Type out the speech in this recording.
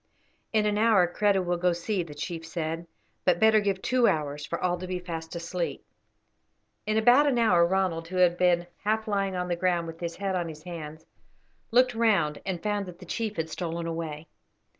"In an hour Kreta will go see," the chief said; "but better give two hours for all to be fast asleep." In about an hour Ronald, who had been half lying on the ground with his head on his hands, looked round and found that the chief had stolen away.